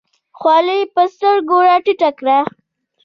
خولۍ یې په سترګو راټیټه کړه.